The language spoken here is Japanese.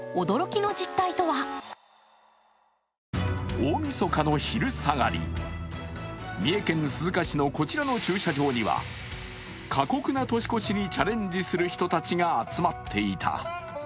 大みそかの昼下がり、三重県鈴鹿市のこちらの駐車場には、過酷な年越しにチャレンジする人たちが集まっていた。